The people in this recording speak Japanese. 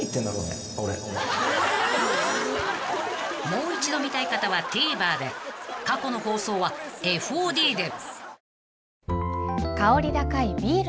［もう一度見たい方はＴＶｅｒで過去の放送はＦＯＤで］